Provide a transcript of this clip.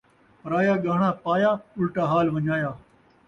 پرایا ڳاہݨا پایا، الٹا حال ونڄایا